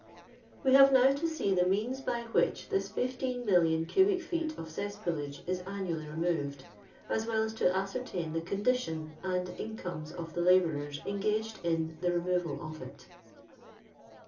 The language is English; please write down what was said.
We liave now to see the means by which this 15,000,000 cubic feet of cesspoolage is annually removed, as well as to ascertain the condition and incomes of the labourers en gaged in the removal of it.